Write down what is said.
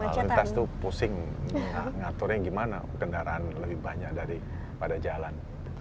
lalu lintas itu pusing ngatur yang gimana kendaraan lebih banyak dari pada jalan